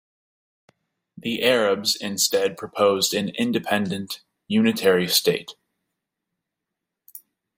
The Arabs instead proposed an independent unitary state.